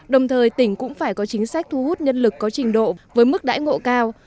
đồng thời tỉnh cũng phải có chính sách thu hút nhân lực có trình độ với mức đãi ngộ cao